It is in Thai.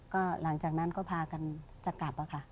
ก็หลังจากนั้นก็พากันจะกลับค่ะ